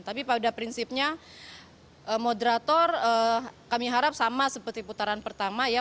tapi pada prinsipnya moderator kami harap sama seperti putaran pertama ya